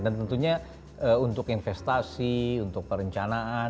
dan tentunya untuk investasi untuk perencanaan